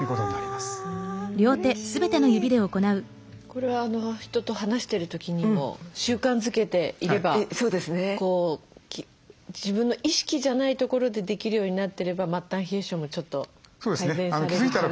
これは人と話してる時にも習慣づけていれば自分の意識じゃないところでできるようになってれば末端冷え性もちょっと改善される可能性はある。